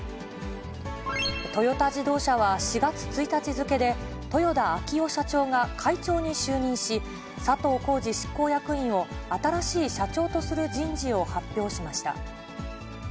トヨタ自動車は４月１日付けで、豊田章男社長が会長に就任し、佐藤恒治執行役員を新しい社長とする人事を発表しました。